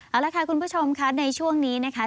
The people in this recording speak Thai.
เอาละค่ะคุณผู้ชมค่ะในช่วงนี้นะคะ